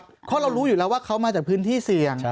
เพราะเรารู้อยู่แล้วว่าเขามาจากพื้นที่เสี่ยง